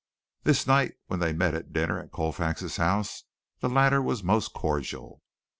This night when they met at dinner at Colfax's house the latter was most cordial.